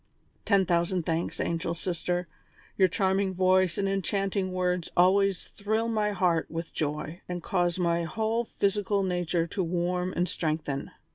"Ten thousand thanks, angel sister; your charming voice and enchanting words always thrill my heart with joy, and cause my whole physical nature to warm and strengthen.